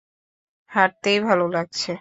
হাঁটতেই ভালো লাগছে।